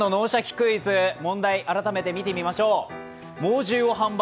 クイズ」の問題を改めて見てみましょう。